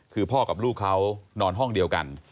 คือพ่อกับลูกเขานอนห้องเดียวกัน